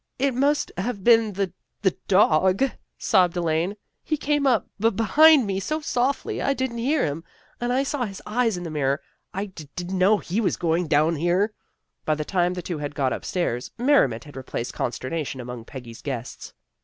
"" It must have been the the dog," sobbed Elaine. " He came up be behind me so softly, I didn't hear him, and I saw his eyes in the mirror. I d didn't know he was down here." By the time the two had got upstairs, merri ment had replaced consternation among Peggy's guests.